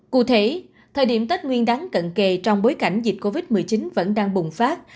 cụ thể thời điểm tết nguyên đáng cận kề trong bối cảnh dịch covid một mươi chín vẫn đang bùng phát